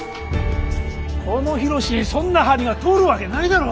この緋炉詩にそんな針が通るわけないだろ！